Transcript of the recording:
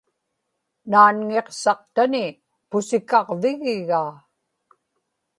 naanŋiqsaqtani pusikaġvigigaa